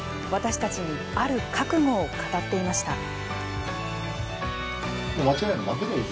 私たちにある覚悟を語っていました。